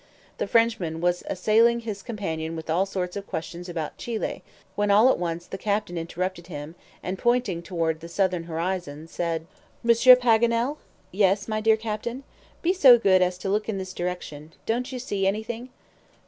The Frenchman was assailing his companion with all sorts of questions about Chili, when all at once the captain interrupted him, and pointing toward the southern horizon, said: "Monsieur Paganel?" "Yes, my dear Captain." "Be so good as to look in this direction. Don't you see anything?"